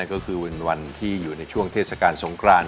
ก็คือเป็นวันที่อยู่ในช่วงเทศกาลสงคราน